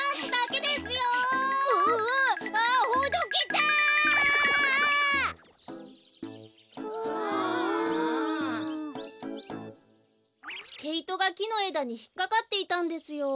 けいとがきのえだにひっかかっていたんですよ。